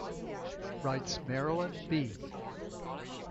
Writes Marilyn B.